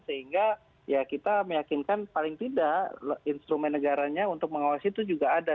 sehingga ya kita meyakinkan paling tidak instrumen negaranya untuk mengawasi itu juga ada